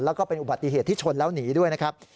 แล้วก็เป็นอุบัติเหตุที่ชนแล้วหนีด้วยนะครับ